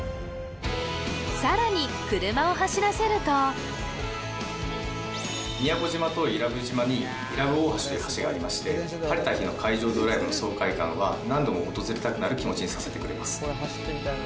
さらに車を走らせると宮古島と伊良部島に伊良部大橋という橋がありまして晴れた日の海上ドライブの爽快感は何度も訪れたくなる気持ちにさせてくれます